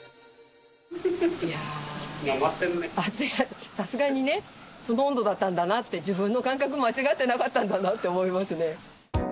いやー、さすがにね、その温度だったんだなって、自分の感覚、間違ってなかったんだなって思いますね。